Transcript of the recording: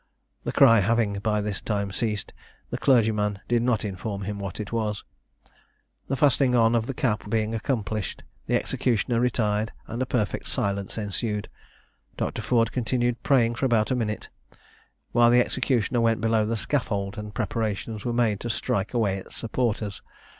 The cry having by this time ceased, the clergyman did not inform him what it was. The fastening on of the cap being accomplished, the executioner retired, and a perfect silence ensued. Dr. Ford continued praying for about a minute, while the executioner went below the scaffold, and preparations were made to strike away its supporters.